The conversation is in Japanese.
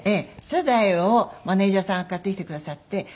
サザエをマネジャーさんが買ってきてくださって。